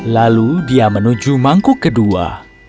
lalu dia menuju mangkuk kedua